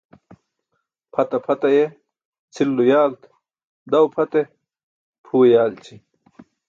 Pʰata pʰat aye cʰilulo yaalt, daw pʰat e?, pʰuwe yaalći.